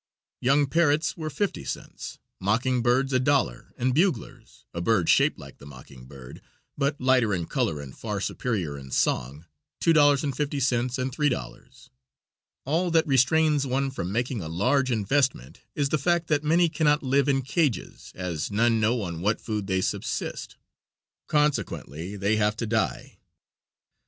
Young parrots were fifty cents, mocking birds $1, and buglers, a bird shaped like the mocking bird, but lighter in color and far superior in song, $2.50 and $3. All that restrains one from making a large investment is the fact that many cannot live in cages, as none know on what food they subsist, consequently they have to die.